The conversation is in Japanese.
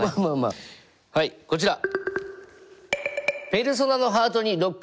あはいこちら！